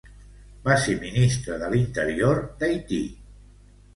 Va ser ministre de l'interior d'Haití.